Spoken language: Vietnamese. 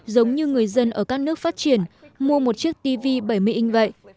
giống như người dân ở các nước phát triển mua một chiếc tivi bảy mươi inch vậy